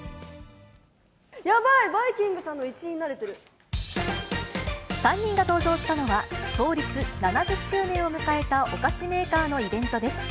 やばい、３人が登場したのは、創立７０周年を迎えたお菓子メーカーのイベントです。